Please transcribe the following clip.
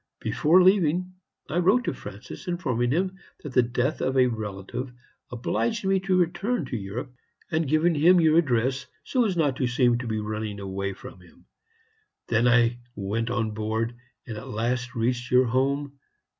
Before leaving, I wrote to Francis informing him that the death of a relative obliged me to return to Europe, and giving him your address, so as not to seem to be running away from him. Then I went on board, and at last reached your home.